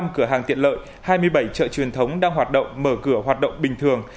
hai tám trăm chín mươi năm cửa hàng tiện lợi hai mươi bảy chợ truyền thống đang hoạt động mở cửa hoạt động bình thường